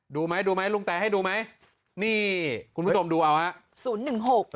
ดูมั้ยดูมั้ยลุงแต่ให้ดูมั้ยนี่คุณประจมดูเอามาฮะ